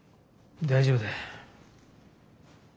大丈夫だ。